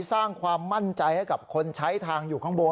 สร้างความมั่นใจให้กับคนใช้ทางอยู่ข้างบน